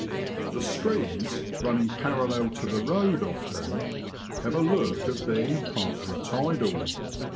The streams, running parallel to the road often, have a look of being partly tidal.